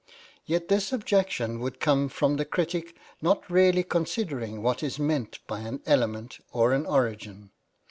Yet this objection would come from the critic not really considering what is meant by an element or an origin.